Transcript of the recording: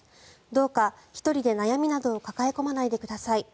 どうか１人で悩みなどを抱え込まないでください。